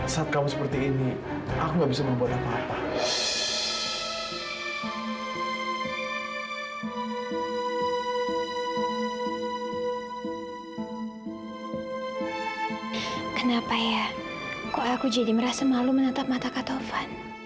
sampai jumpa di video selanjutnya